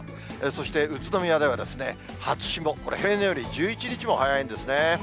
そして宇都宮では初霜、これ平年より１１日も早いんですね。